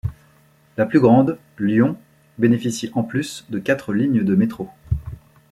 La plus grande, Lyon, bénéficie en plus de quatre lignes de métro.